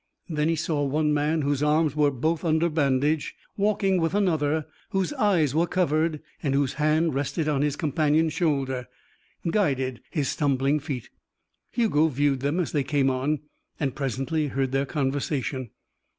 Then he saw one man whose arms were both under bandage walking with another whose eyes were covered and whose hand, resting on his companion's shoulder, guided his stumbling feet. Hugo viewed them as they came on and presently heard their conversation.